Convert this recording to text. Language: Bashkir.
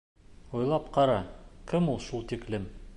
Уйлап ҡара: кем ул шул тиклем?